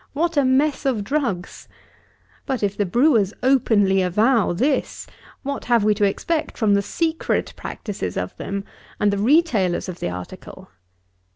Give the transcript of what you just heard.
What a mess of drugs! But, if the brewers openly avow this, what have we to expect from the secret practices of them, and the retailers of the article!